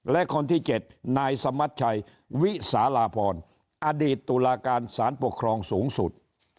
และคนที่๗นายสมัชชัยวิสาลาพรอดีตตุลาการสารปกครองสูงสุด